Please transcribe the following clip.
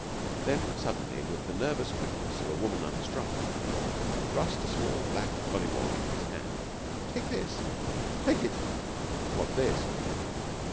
Then suddenly, with the nervous quickness of a woman unstrung, thrust a small black golliwog into his hand. "Take it!" "What's this?"